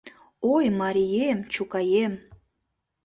Ой, марием, чукаем